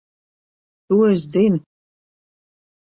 To es zinu.